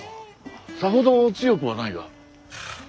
さほど強くはないが。